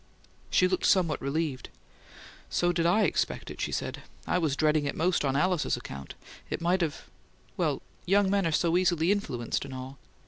She looked somewhat relieved. "So did I expect it," she said. "I was dreading it most on Alice's account: it might have well, young men are so easily influenced and all.